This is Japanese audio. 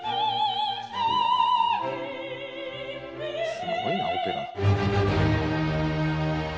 すごいなオペラ。